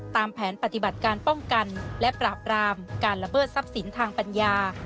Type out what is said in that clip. ตามแผนปฏิบัติการป้องกันและปราบรามการระเบิดทรัพย์สินทางปัญญา